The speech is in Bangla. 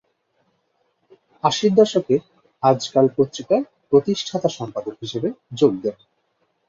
আশির দশকে আজকাল পত্রিকার প্রতিষ্ঠাতা সম্পাদক হিসেবে যোগ দেন।